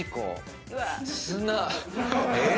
えっ？